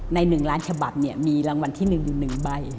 ใน๑ล้านฉบับมีรางวัลที่๑อยู่๑ใบ